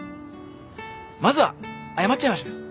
まずは謝っちゃいましょうよ。